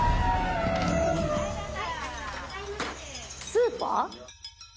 スーパー？